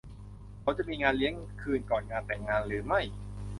เขาจะมีงานเลี้ยงคืนก่อนงานแต่งงานหรือไม่ ?